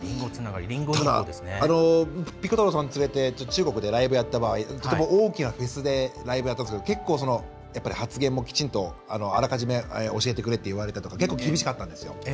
ただ、ピコ太郎さん連れて中国でライブやったとき大きなフェスでライブやったんですけど結構、発言もきちんとあらかじめ教えてくれと言われたりとか結構、厳しかったんですよ。